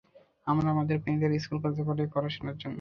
আমরা আমাদের মেয়েদের স্কুল-কলেজে পাঠাই পড়াশোনার জন্য।